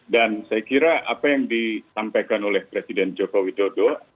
dan saya kira apa yang ditampilkan oleh presiden jokowi jodoh